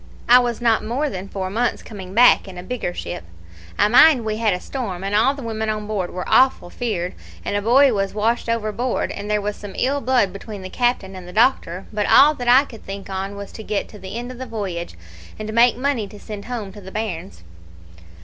I was not more than four months coming back in a bigger ship. I mind we had a storm, and all the women on board were awful feared, and a boy was washed overboard, and there was some ill blood between the captain and the doctor; but all that I could think on was to get to the end of the voyage, and make money to send home to the bairns.